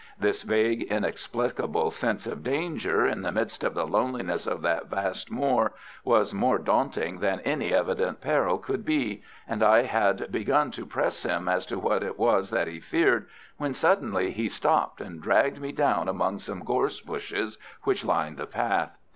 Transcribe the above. This vague, inexplicable sense of danger in the midst of the loneliness of that vast moor was more daunting than any evident peril could be, and I had begun to press him as to what it was that he feared, when suddenly he stopped and dragged me down among some gorse bushes which lined the path.